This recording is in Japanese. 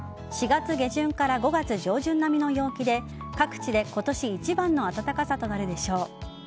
４月下旬から５月上旬並みの陽気で各地で今年一番の暖かさとなるでしょう。